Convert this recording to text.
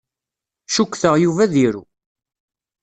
Cukkteɣ Yuba ad iru.